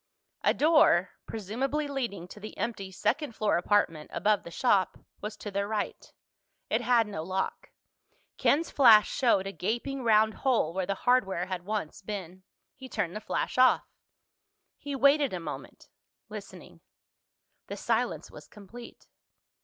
A door, presumably leading to the empty second floor apartment above the shop, was to their right. It had no lock. Ken's flash showed a gaping round hole where the hardware had once been. He turned the flash off. He waited a moment, listening. The silence was complete.